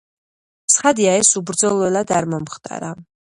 ცხადია, ეს უბრძოლველად არ მომხდარა.